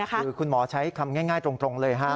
คือคุณหมอใช้คำง่ายตรงเลยฮะ